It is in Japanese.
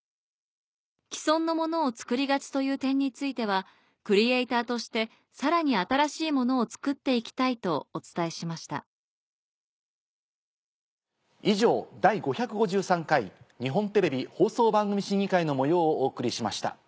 「既存のものを作りがちという点についてはクリエイターとしてさらに新しいものを作って行きたい」とお伝えしました以上「第５５３回日本テレビ放送番組審議会」の模様をお送りしました。